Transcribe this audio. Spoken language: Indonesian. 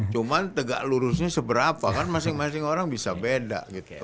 cuma tegak lurusnya seberapa kan masing masing orang bisa beda gitu